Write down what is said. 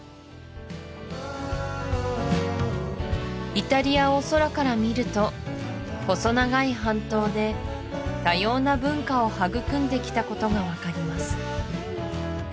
イタリアを空から見ると細長い半島で多様な文化を育んできたことが分かります